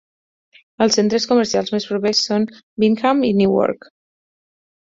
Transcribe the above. Els centres comercials més propers són Bingham i Newark.